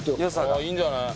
ああいいんじゃない？